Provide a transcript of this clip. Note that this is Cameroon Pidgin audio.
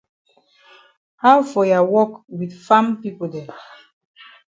How for ya wok wit farm pipo dem?